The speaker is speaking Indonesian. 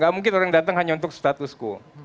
gak mungkin orang datang hanya untuk status quo